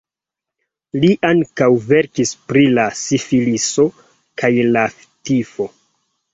Li ankaŭ verkis pri la sifiliso kaj la tifo.